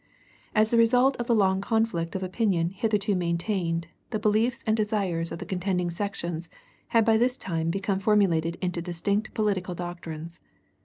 As the result of the long conflict of opinion hitherto maintained, the beliefs and desires of the contending sections had by this time become formulated in distinct political doctrines.